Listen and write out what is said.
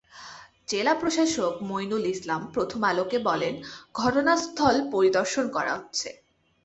জেলা প্রশাসক মঈনউল ইসলাম প্রথম আলোকে বলেন, ঘটনাস্থল পরিদর্শন করা হচ্ছে।